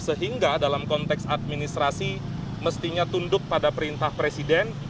sehingga dalam konteks administrasi mestinya tunduk pada perintah presiden